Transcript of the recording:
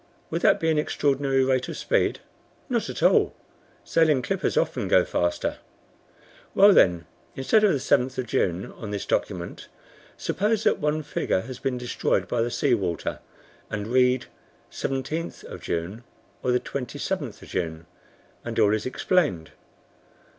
"Would that be an extraordinary rate of speed?" "Not at all; sailing clippers often go faster." "Well, then, instead of '7 June' on this document, suppose that one figure has been destroyed by the sea water, and read '17 June' or '27 June,' and all is explained."